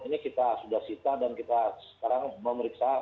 ini kita sudah sita dan kita sekarang memeriksa